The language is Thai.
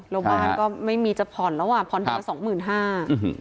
แล้วบ้านก็ไม่มีจะผ่อนแล้วอ่ะผ่อนเดือนละสองหมื่นห้า